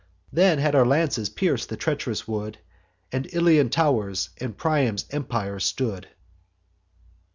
Then had our lances pierc'd the treach'rous wood, And Ilian tow'rs and Priam's empire stood.